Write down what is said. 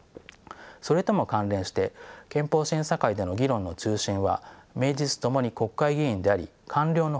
それとも関連して憲法審査会での議論の中心は名実ともに国会議員であり官僚の補佐がほとんどありません。